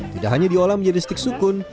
tidak hanya diolah menjadi stik sukun